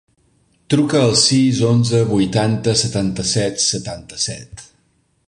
Truca al sis, onze, vuitanta, setanta-set, setanta-set.